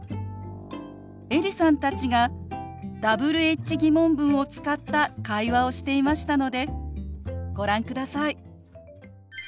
エリさんたちがＷｈ−疑問文を使った会話をしていましたのでご覧ください。